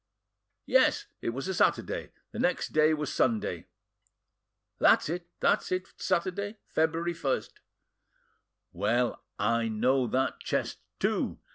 "Yes, it was a Saturday; the next day was Sunday." "That's it, that's it!—Saturday, February 1st. Well, I know that chest too!